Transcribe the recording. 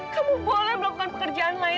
kebu boleh melakukan pekerjaan lain